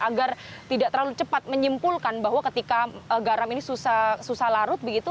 agar tidak terlalu cepat menyimpulkan bahwa ketika garam ini susah larut begitu